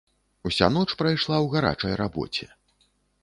Уся ноч прайшла ў гарачай рабоце.